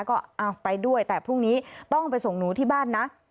ก็เอาไปด้วยแต่พรุ่งนี้ต้องไปส่งหนูที่บ้านนะ